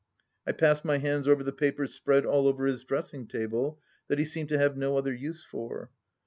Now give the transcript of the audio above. I passed my hands over the papers spread all over his dressing table that he seemed to have no other use for.